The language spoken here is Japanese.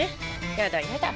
やだやだ。